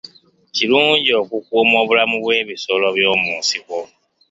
Kirungi okukuuma obulamu bw'ebisolo by'omu nsiko.